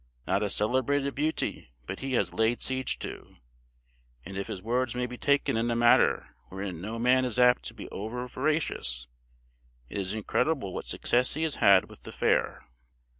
Not a celebrated beauty but he has laid siege to; and if his words may be taken in a matter wherein no man is apt to be over veracious, it is incredible what success he has had with the fair.